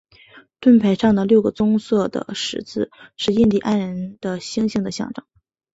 盾牌上的六个棕色的十字是印第安人的星星的象征。